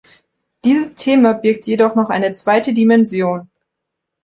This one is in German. Dieses Thema birgt jedoch noch eine zweite Dimension.